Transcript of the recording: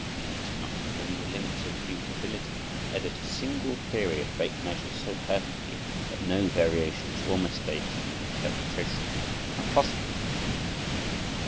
It is not within the limits of human ability to edit a single period of eight measures so perfectly that no variations or mistakes in the interpretation are possible.